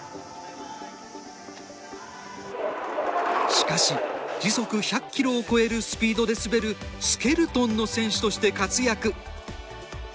しかし、時速１００キロを超えるスピードで滑るスケルトンの選手として活躍。